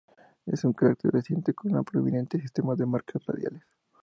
Es un cráter reciente, con un prominente sistema de marcas radiales.